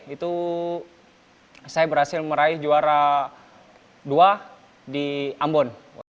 itu saya berhasil meraih juara dua di ambon